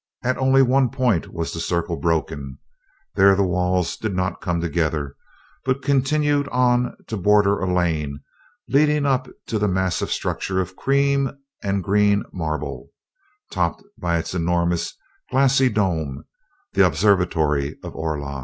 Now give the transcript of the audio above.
At only one point was the circle broken. There the walls did not come together, but continued on to border a lane leading up to the massive structure of cream and green marble, topped by its enormous, glassy dome the observatory of Orlon.